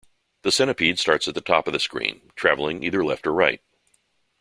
The centipede starts at the top of the screen, traveling either left or right.